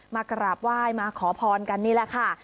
มากราบไหว้มาขอพรกันนี่แหละค่ะ